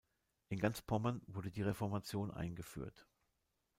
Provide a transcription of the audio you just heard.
In ganz Pommern wurde die Reformation eingeführt.